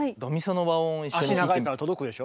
脚長いから届くでしょ。